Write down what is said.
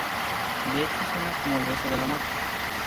De hecho, suena como el beso de la muerte".